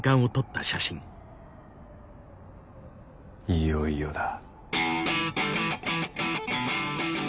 いよいよだ。